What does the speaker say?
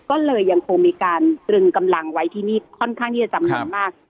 ก็เลยยังคงมีการตรึงกำลังไว้ที่นี่ค่อนข้างที่จะจำนวนมาก